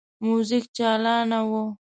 موزیک چالانه وو.